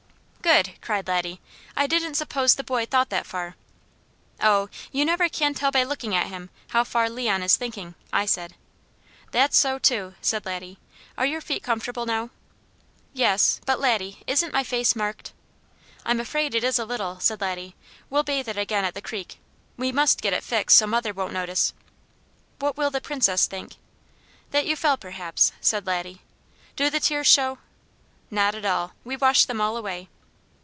"Good!" cried Laddie. "I didn't suppose the boy thought that far." "Oh, you never can tell by looking at him, how far Leon is thinking," I said. "That's so, too," said Laddie. "Are your feet comfortable now?" "Yes, but Laddie, isn't my face marked?" "I'm afraid it is a little," said Laddie. "We'll bathe it again at the creek. We must get it fixed so mother won't notice." "What will the Princess think?" "That you fell, perhaps," said Laddie. "Do the tears show?" "Not at all. We washed them all away."